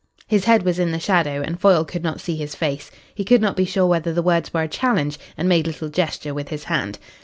His head was in the shadow and Foyle could not see his face. He could not be sure whether the words were a challenge, and made a little gesture with his hand.